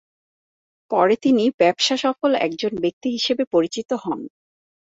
পরে তিনি ব্যবসাসফল একজন ব্যক্তি হিসেবে পরিচিত হন।